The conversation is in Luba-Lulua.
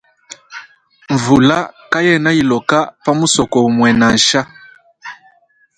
Mvula kayena iloka pa musoko umue nansha.